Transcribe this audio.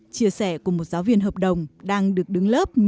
chia sẻ cùng một giáo viên hợp đồng đang được đứng lớp